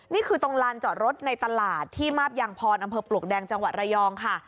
นี่คือตรงลานจอดรถในตลาดที่มาบยางพรอำเภอปลวกแดงจังหวัดระยองค่ะ